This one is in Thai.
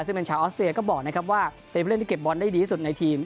ซึ่งเป็นชาวออสเตรียก็บอกนะครับว่าเป็นผู้เล่นที่เก็บบอลได้ดีที่สุดในทีม